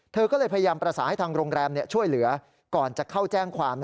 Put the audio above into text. เธอก็เลยพยายามประสานให้ทางโรงแรมช่วยเหลือก่อนจะเข้าแจ้งความ